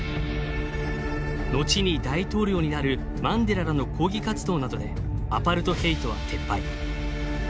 後に大統領になるマンデラらの抗議活動などでアパルトヘイトは撤廃。